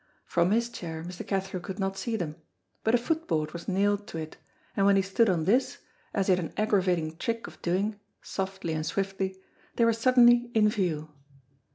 From his chair Mr. Cathro could not see them, but a foot board was nailed to it, and when he stood on this, as he had an aggravating trick of doing, softly and swiftly, they were suddenly in view.